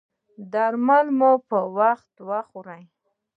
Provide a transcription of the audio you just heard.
درمل مو په وخت خورئ؟